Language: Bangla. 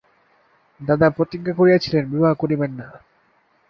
দাদা প্রতিজ্ঞা করিয়াছিলেন, বিবাহ করিবেন না।